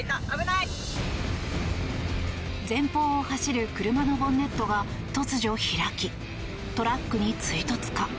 前方を走る車のボンネットが突如開きトラックに追突か。